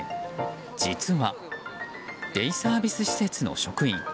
実は、デイサービス施設の職員。